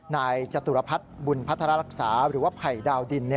นายจตุรพัฒน์บุญพัฒนารักษาหรือว่าไผ่ดาวดิน